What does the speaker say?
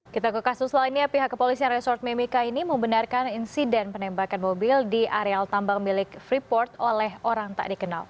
kita ke kasus lainnya pihak kepolisian resort mimika ini membenarkan insiden penembakan mobil di areal tambang milik freeport oleh orang tak dikenal